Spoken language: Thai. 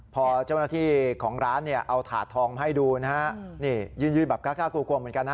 พอเจ้าหน้าที่ของร้านเนี่ยเอาถาดทองมาให้ดูนะฮะนี่ยืนยืนแบบกล้ากลัวกลัวเหมือนกันนะ